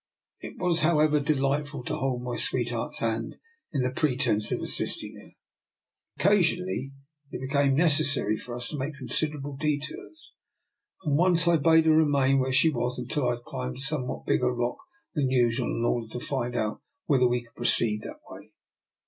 It was, however, delightful to hold my sweetheart's hand in the pretence of assisting her. Occasionally it 15 222 DR. NIKOLA'S EXPERIMENT. became necessary for us to make considerable detours, and once I bade her remain where she was until I had climbed a somewhat big ger rock than usual in order to find out whether we could proceed that way.